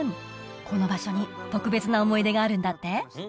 この場所に特別な思い出があるんだって？